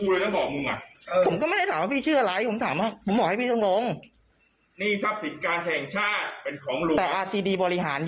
แล้วน้องบริษัทธาวน์บอกคุณยังไงผมบอกให้น้องน้องได้เห็นความพี่นะ